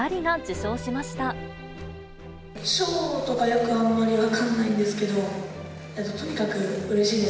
賞とかよくあんまり分かんないんですけど、とにかくうれしいです。